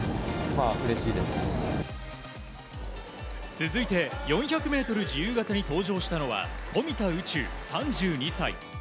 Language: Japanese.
続いて、４００ｍ自由形に登場したのは富田宇宙、３２歳。